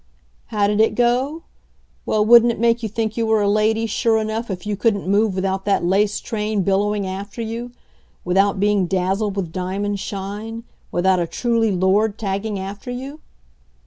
How did it go? Well, wouldn't it make you think you were a Lady, sure enough, if you couldn't move without that lace train billowing after you; without being dazzled with diamond shine; without a truly Lord tagging after you?